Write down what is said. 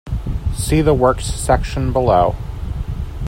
See the Works section below.